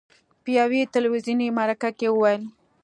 په یوې تلویزوني مرکې کې وویل: